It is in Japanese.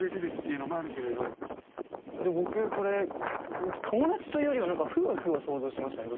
僕これ友達というよりは何か夫婦を想像しましたね